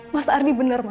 mas ardi bener ma